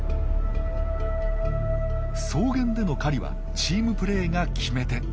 草原での狩りはチームプレーが決め手。